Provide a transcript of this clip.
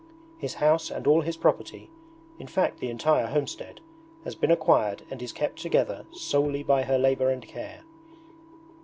His house and all his property, in fact the entire homestead, has been acquired and is kept together solely by her labour and care.